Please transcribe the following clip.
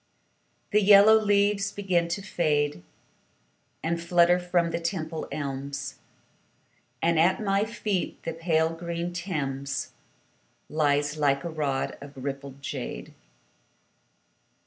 The yellow leaves begin to fade And flutter from the Temple elms, And at my feet the pale green Thames Lies like a rod of rippled jade.